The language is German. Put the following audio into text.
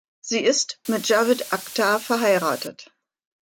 Sie ist mit Javed Akhtar verheiratet.